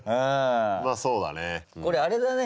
まあそうだね。